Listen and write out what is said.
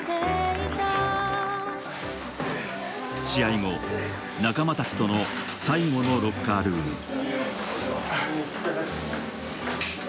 試合後、仲間たちとの最後のロッカールーム。